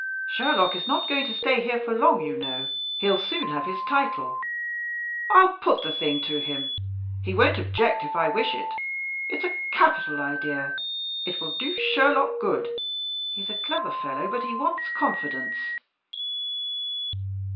Sherlock is not going to stay here long, you know; he'll soon have his title. I'll put the thing to him. He won't object if I wish it. It's a capital idea. It will do Sherlock good. He's a clever fellow, but he wants confidence."